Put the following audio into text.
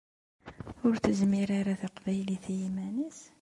Ur tezmir ara teqbaylit i yiman-is?